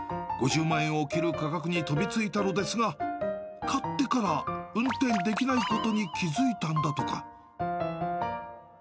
５０万円を切る価格に飛びついたのですが、買ってから運転できないことに気付いたんだとか。